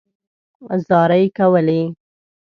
زارۍ کولې.